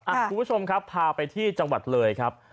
คุณผู้ชมครับพาไปที่จังหวัดเลยครับ